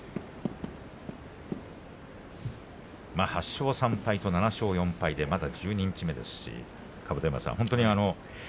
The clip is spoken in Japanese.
８勝３敗と７勝４敗でまだ十二日目です。